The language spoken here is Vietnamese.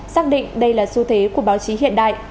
xác định đây là xu thế của báo chí hiện đại